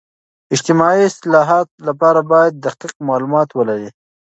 د اجتماعي اصلاحاتو لپاره باید دقیق معلومات ولري.